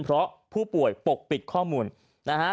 เพราะผู้ป่วยปกปิดข้อมูลนะฮะ